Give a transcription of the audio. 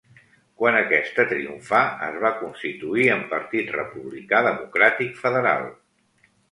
Quan aquesta triomfà, es va constituir en Partit Republicà Democràtic Federal.